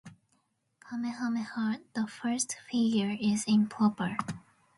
Kamehameha the First's figure is in proper.